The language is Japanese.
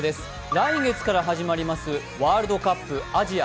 来月から始まりますワールドカップ、アジア